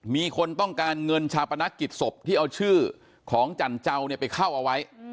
มีคนต้องการเงินชาปนักกิจศพที่เอาชื่อของจันเจ้าเนี่ยไปเข้าเอาไว้